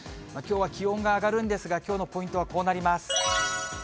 きょうは気温が上がるんですが、きょうのポイントはこうなります。